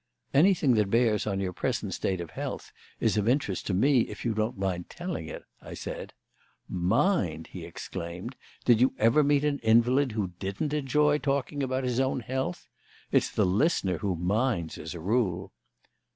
"Anything that bears on your present state of health is of interest to me if you don't mind telling it," I said. "Mind!" he exclaimed. "Did you ever meet an invalid who didn't enjoy talking about his own health? It's the listener who minds, as a rule."